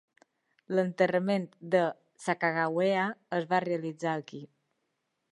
L'enterrament de Sacagawea es va realitzar aquí.